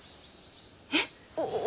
えっ。